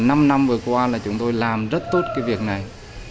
năm năm vừa qua là chúng tôi làm rất tốt cái việc này